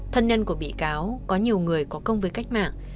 thân nhân của bị cáo có nhiều người có công với cách mạng